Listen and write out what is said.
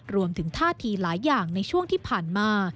รวมถึงท่าทีหลายอย่างในช่วงที่ผ่านมา